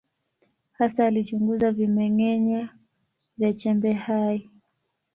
Hasa alichunguza vimeng’enya vya chembe hai.